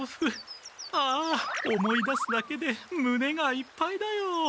ああ思い出すだけでむねがいっぱいだよ。